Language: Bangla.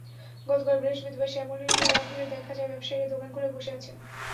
গতকাল বৃহস্পতিবার শ্যামলীর মেলা ঘুরে দেখা যায়, ব্যবসায়ীরা দোকান খুলে বসে আছেন।